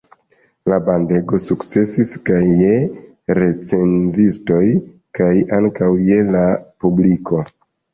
La bandego sukcesis kaj je recenzistoj kaj ankaŭ je la publiko.